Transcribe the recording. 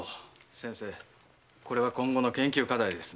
先生これは今後の研究課題ですね。